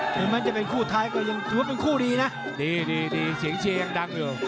แดงมันมายักษ์ตีนขวาตีนซ้ายออกแน่นเลยนะ